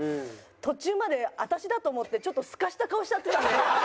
途中まで私だと思ってちょっとスカした顔しちゃってたんで。